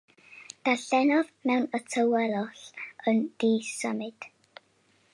Darllenodd mewn tawelwch yn ddisymud.